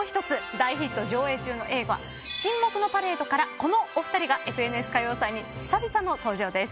大ヒット上映中の映画『沈黙のパレード』からこのお二人が『ＦＮＳ歌謡祭』に久々の登場です。